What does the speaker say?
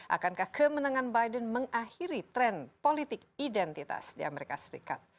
akankah kemenangan biden mengakhiri tren politik identitas di amerika serikat